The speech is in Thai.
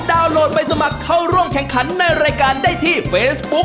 โหลดไปสมัครเข้าร่วมแข่งขันในรายการได้ที่เฟซบุ๊ค